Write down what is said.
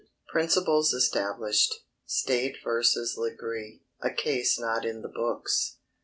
PRINCIPLES ESTABLISHED.—STATE v. LEGREE; A CASE NOT IN THE BOOKS.